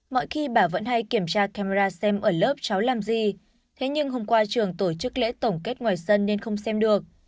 mọi khi bà vẫn hay kiểm tra camera xem ở lớp cháu làm gì thế nhưng hôm qua trường tổ chức lễ tổng kết ngoài sân nên không xem được